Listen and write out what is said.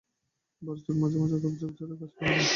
বড় চর, মাঝে মাঝে কাশঝোপ ছাড়া অন্য গাছপালা নাই।